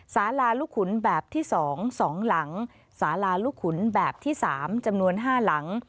สาลาลุคุณแบบที่๒สองหลังสาลาลุคุณแบบที่๓จำนวน๕หลัง